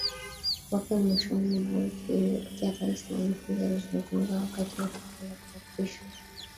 wakeMwishoni mwa wiki iliyopita Rais Magufuli alizungumza wakati wa tukio la kuapishwa kwa